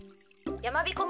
やまびこ